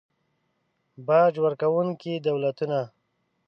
باج ورکونکي دولتونه